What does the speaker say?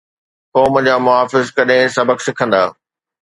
قوم جا محافظ ڪڏھن سبق سکندا؟